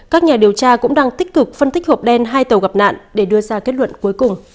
các nhà điều tra cũng đang tích cực phân tích hộp đen hai tàu gặp nạn để đưa ra kết luận cuối cùng